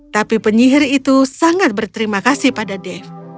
tapi penyihir itu sangat berterima kasih pada dave